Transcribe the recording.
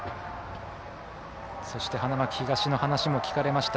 そして花巻東の話も聞かれました。